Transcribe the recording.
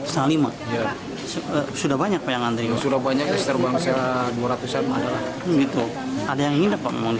sudah banyak yang antri